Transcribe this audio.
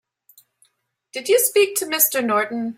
Did you speak to Mr. Norton?